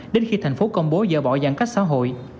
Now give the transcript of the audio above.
đến khi thành phố công bố dở bỏ giãn cách xã hội